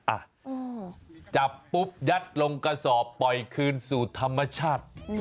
อ่ะจับปุ๊บยัดลงกระสอบปล่อยคืนสู่ธรรมชาติ